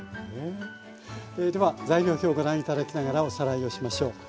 では材料表をご覧頂きながらおさらいをしましょう。